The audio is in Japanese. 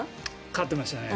飼ってましたね。